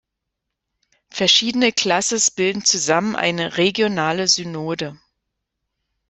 Verschiedene Classes bilden zusammen eine "regionale Synode.